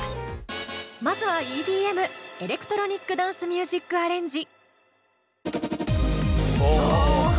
まずはＥＤＭエレクトロニック・ダンス・ミュージックアレンジ。